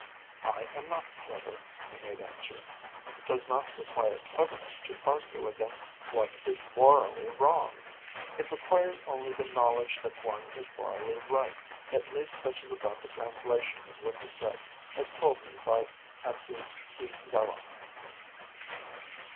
'I am not clever,' he made answer: 'it does not require cleverness to argue against what is morally wrong; it requires only the knowledge that one is morally right.' At least such is about the translation of what he said as told me by Adzukizawa.